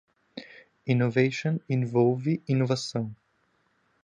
Innovation envolve inovação.